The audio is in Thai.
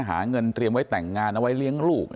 หาเงินเตรียมไว้แต่งงานเอาไว้เลี้ยงลูก